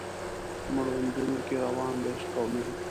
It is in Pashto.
مړوندونو کې روان د عشق او میینې